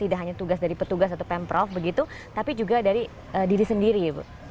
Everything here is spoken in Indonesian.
tidak hanya tugas dari petugas atau pemprov begitu tapi juga dari diri sendiri